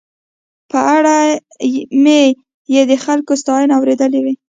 په اړه مې یې د خلکو ستاينې اورېدلې وې.